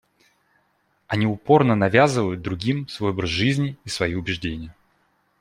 Они упорно навязывают другим свой образ жизни и свои убеждения.